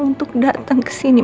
untuk datang kesini